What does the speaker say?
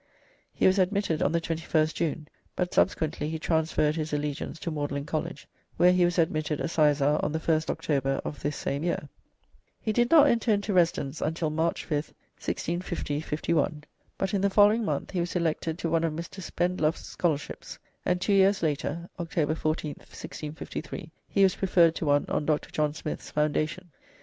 He was admitted on the 21st June, but subsequently he transferred his allegiance to Magdalene College, where he was admitted a sizar on the 1st October of this same year. He did not enter into residence until March 5th, 1650 51, but in the following month he was elected to one of Mr. Spendluffe's scholarships, and two years later (October 14th, 1653) he was preferred to one on Dr. John Smith's foundation.